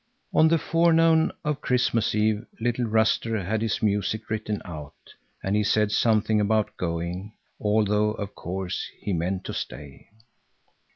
On the forenoon of Christmas Eve little Ruster had his music written out, and he said something about going, although of course he meant to stay.